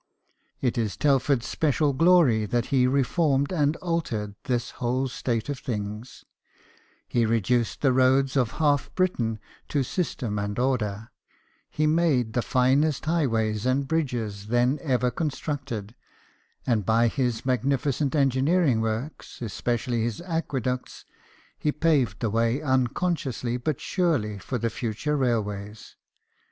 It is Telford's special glory that he reformed and altered this whole state of things ; he reduced the roads of half Britain to system and order ; he made the finest highways and bridges then ever constructed ; and by his mag nificent engineering works, especially his aque ducts, he paved the way unconsciously but surely for the future railways.